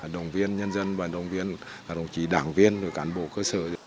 đồng viên nhân dân và đồng chí đảng viên cản bộ cơ sở